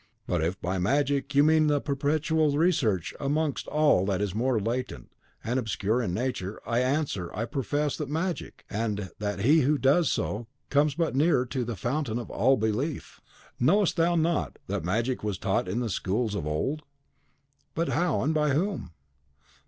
But if by magic you mean a perpetual research amongst all that is more latent and obscure in Nature, I answer, I profess that magic, and that he who does so comes but nearer to the fountain of all belief. Knowest thou not that magic was taught in the schools of old? But how, and by whom?